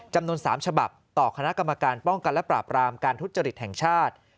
จำนวน๓ฉบับต่อคณะกรรมการป้องกันและปราบรามการทุจริตแห่งชาติ